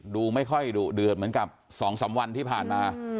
ดูไม่ค่อยดุเดือดเหมือนกับ๒๓วันที่ผ่านมา